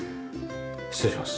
失礼します。